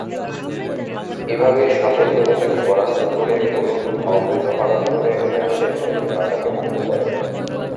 এভাবে সকল দেবতাকে পরাস্ত করে গরুড় অমৃত হরণ করে নিয়ে আসেন এবং মাতাকে মুক্ত করেন।